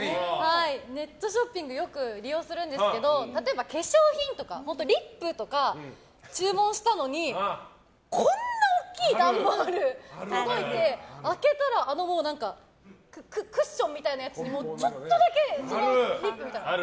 ネットショッピングよく利用するんですけど例えば、化粧品とかリップとか注文したのにこんな大きい段ボールが届いて開けたら、ほぼクッションみたいなやつでちょっとだけリップみたいな。